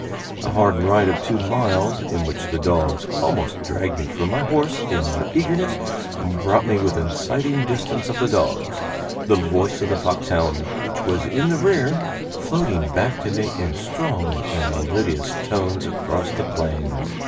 A hard ride of two miles, in which the dogs almost dragged me from my horse in their eagerness, brought me within sighting distance of the dogs the voice of the foxhound, which was in the rear, floating back to me in strong and melodious tones across the plains.